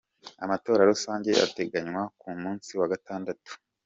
Amatora rusangi ategekanywa ku munsi wa Gatandatu.